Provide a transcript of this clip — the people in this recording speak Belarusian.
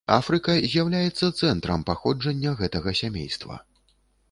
Афрыка з'яўляецца цэнтрам паходжання гэтага сямейства.